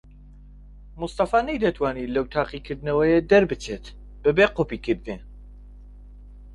مستەفا نەیدەتوانی لەو تاقیکردنەوەیە دەربچێت بەبێ قۆپیەکردن.